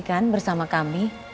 kan bersama kami